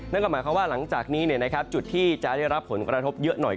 นั่นก็หมายความว่าหลังจากนี้จุดที่จะได้รับผลกระทบเยอะหน่อย